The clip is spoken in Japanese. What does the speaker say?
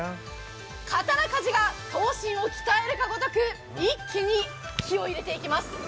刀鍛冶が刀身を鍛えるかのごとく一気に火を入れていきます。